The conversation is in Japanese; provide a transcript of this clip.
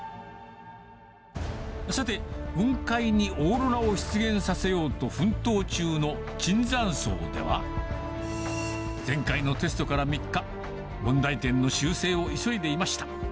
さて、雲海にオーロラを出現させようと奮闘中の椿山荘では、前回のテストから３日、問題点の修正を急いでいました。